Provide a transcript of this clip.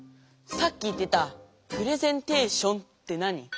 さっき言ってたプレゼンテーションって何？